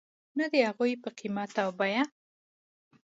نه د هغوی په قیمت او بیې .